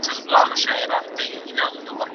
خپل کار ته دوام ورکوو.